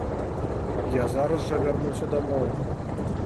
Я зараз жа вярнулася дамоў.